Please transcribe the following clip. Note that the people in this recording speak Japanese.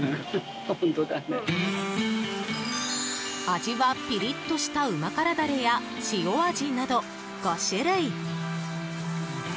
味はピリッとしたうま辛ダレや塩味など５種類。